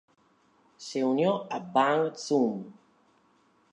Se unió a Bang Zoom!